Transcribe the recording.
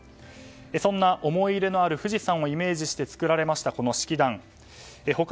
そんな思い入れのある富士山をイメージして作られました式壇。